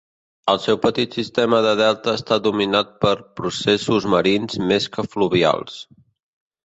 El seu petit sistema de delta està dominat per processos marins més que fluvials.